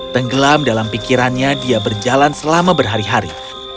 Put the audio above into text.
tenggelam dalam pikirannya dia berjalan selama berhari hari